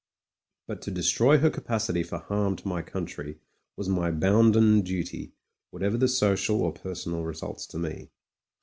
But to destroy her capacity for harm to my country was my bounden duty, whatever the so cial or personal results to me.